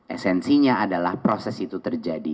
esensinya adalah proses itu terjadi